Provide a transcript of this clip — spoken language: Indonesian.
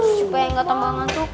supaya gak tambah ngantuk